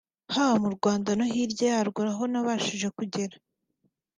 haba mu Rwanda no hirya yarwo aho nabashije kugera